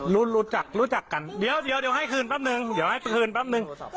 รู้รู้จักรู้จักกันเดี๋ยวเดี๋ยวเดี๋ยวให้คืนปั๊บหนึ่งเดี๋ยวให้คืนปั๊บหนึ่ง